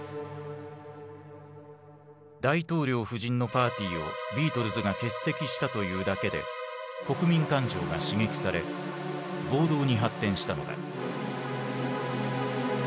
大統領夫人のパーティーをビートルズが欠席したというだけで国民感情が刺激され暴動に発展したのだ。